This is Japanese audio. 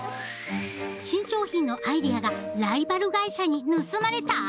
新商品のアイデアがライバル会社に盗まれた！？